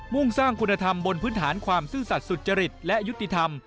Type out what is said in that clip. ่งสร้างคุณธรรมบนพื้นฐานความซื่อสัตว์สุจริตและยุติธรรม